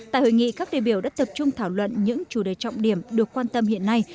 tại hội nghị các đề biểu đã tập trung thảo luận những chủ đề trọng điểm được quan tâm hiện nay